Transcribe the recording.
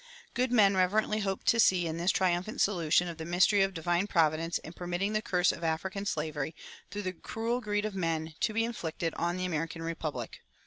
Good men reverently hoped to see in this triumphant solution of the mystery of divine providence in permitting the curse of African slavery, through the cruel greed of men, to be inflicted on the American republic.